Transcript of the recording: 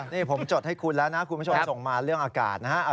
นี่ผมจดให้คุณแล้วนะคุณผู้ชมส่งมาเรื่องอากาศนะฮะ